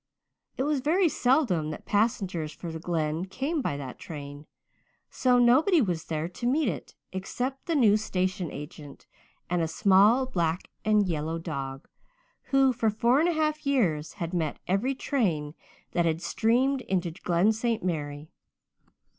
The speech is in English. It was very seldom that passengers for the Glen came by that train, so nobody was there to meet it except the new station agent and a small black and yellow dog, who for four and a half years had met every train that had steamed into Glen St. Mary.